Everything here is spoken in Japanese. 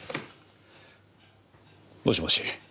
もしもし。